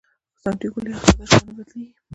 سانتیاګو له یوه ساده شپانه بدلیږي.